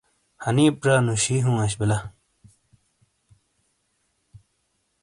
حنیپ ژا نوشیی ہوں اش بلا۔